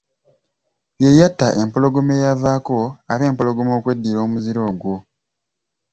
Ye yatta empologoma eyavaako abempologoma okweddira omuziro ogwo.